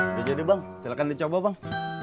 udah jadi bang silahkan dicoba bang